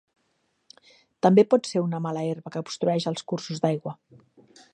També pot ser una mala herba que obstrueix els cursos d'aigua.